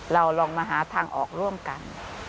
เราลองมาหาทางออกร่วมกัน